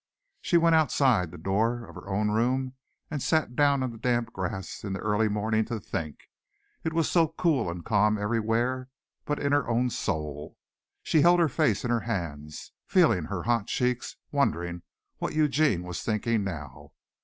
She went outside the door of her own room and sat down on the damp grass in the early morning to think. It was so cool and calm everywhere but in her own soul. She held her face in her hands, feeling her hot cheeks, wondering what Eugene was thinking now.